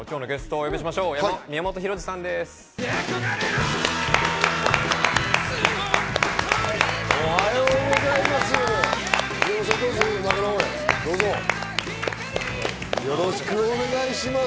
おはようございます。